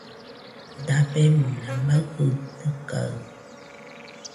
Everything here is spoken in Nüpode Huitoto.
Dabemona maɨjɨitɨkaɨ